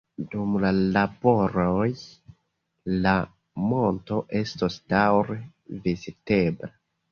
Dum la laboroj la monto estos daŭre vizitebla.